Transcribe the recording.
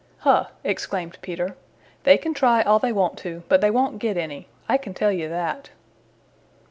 "Huh!" exclaimed Peter. "They can try all they want to, but they won't get any; I can tell you that."